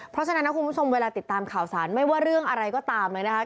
เพราะฉะนั้นนะคุณผู้ชมเวลาติดตามข่าวสารไม่ว่าเรื่องอะไรก็ตามเลยนะคะ